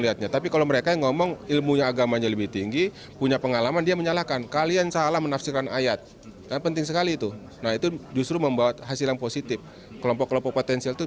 bapak komjen paul soehardi alius